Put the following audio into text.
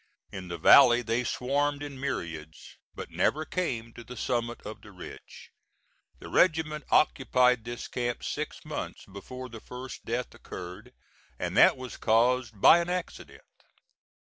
In the valley they swarmed in myriads, but never came to the summit of the ridge. The regiment occupied this camp six months before the first death occurred, and that was caused by an accident.